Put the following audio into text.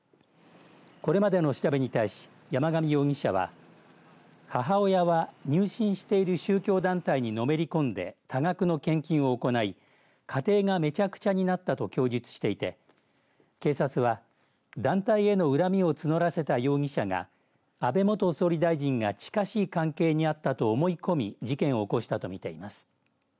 これまでの調べに対し山上容疑者は母親は入信している宗教団体にのめり込んで多額の献金を行い家庭が、めちゃくちゃになったと供述していて警察は、団体への恨みを募らせた容疑者が安倍元総理大臣が近しい関係にあったと思い込み事件を起こしたと見ています。